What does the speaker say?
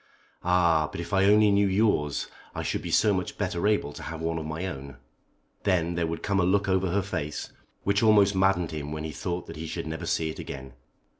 "Ah! but if I only knew yours I should be so much better able to have one of my own." Then there would come a look over her face which almost maddened him when he thought that he should never see it again.